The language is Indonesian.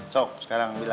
sok sekarang lu